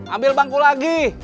ambil bangku lagi